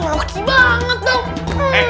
gila maksi banget dong